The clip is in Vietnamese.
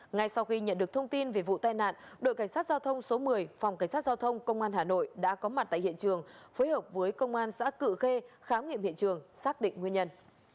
ngay sau khi nhận được thông tin về vụ tai nạn đội cảnh sát giao thông số một mươi phòng cảnh sát giao thông công an hà nội đã có mặt tại hiện trường phối hợp với công an xã cự khê khám nghiệm hiện trường xác định nguyên nhân